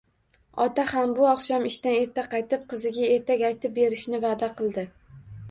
Ota ham bu oqshom ishdan erta qaytib, qiziga ertak aytib berishni va`da qildi